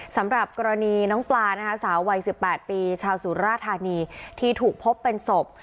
สำหรับกรณีน้องปลานะคะสาววัย๑๘ปีชาวสุราธานีที่ถูกพบเป็นศพ